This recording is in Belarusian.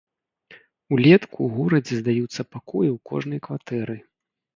Улетку ў горадзе здаюцца пакоі ў кожнай кватэры.